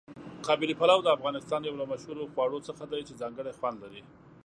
قابلي پلو د افغانستان یو له مشهورو خواړو څخه دی چې ځانګړی خوند لري.